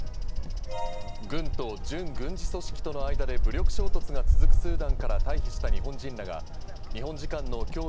軍と準軍事組織との間で武力衝突が続くスーダンから退避した日本人らが日本時間の今日